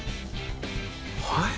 はい！？